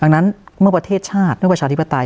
ดังนั้นเมื่อประเทศชาติเมื่อประชาธิปไตย